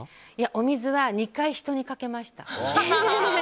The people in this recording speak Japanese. お水は２回人にかけました。